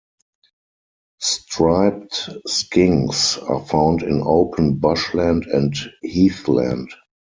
Striped skinks are found in open bushland and heathland.